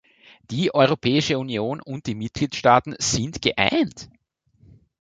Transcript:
Die Europäische Union und die Mitgliedstaaten sind geeint.